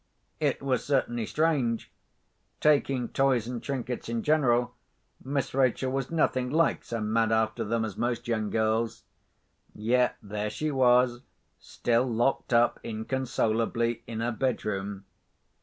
It was certainly strange. Taking toys and trinkets in general, Miss Rachel was nothing like so mad after them as most young girls. Yet there she was, still locked up inconsolably in her bedroom.